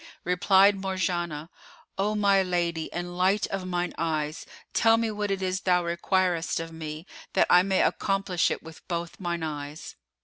Replied Marjanah, "O my lady and light of mine eyes, tell me what is it thou requirest of me, that I may accomplish it with both mine eyes."